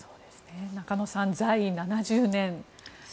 中野さん、在位７０年。